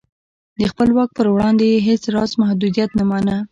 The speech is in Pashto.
د خپل واک پر وړاندې یې هېڅ راز محدودیت نه مانه.